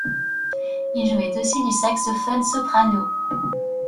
Il jouait aussi du saxophone soprano.